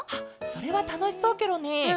それはたのしそうケロね。